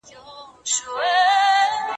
موږ چي ول دا کار به سخت وي